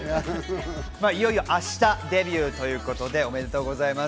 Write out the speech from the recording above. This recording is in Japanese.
いよいよ明日デビューということで、おめでとうございます。